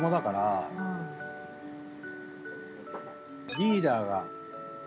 リーダーが。